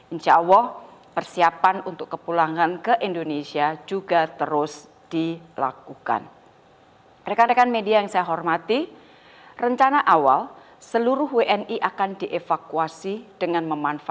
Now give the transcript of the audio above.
insya allah persiapan untuk kepulangan ke indonesia juga berhasil